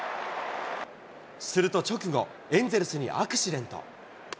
すると直後、エンゼルスにアクシデント。